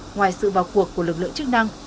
ngoài sự vào cuộc của lực lượng chức năng